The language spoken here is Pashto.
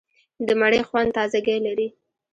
د مڼې خوند تازهګۍ لري.